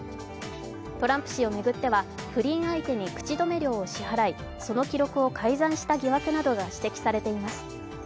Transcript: トランプ氏を巡っては不倫相手に口止め料を支払いその記録を改ざんした疑惑などが指摘されています。